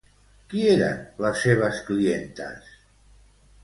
Qui eren les seves clientes?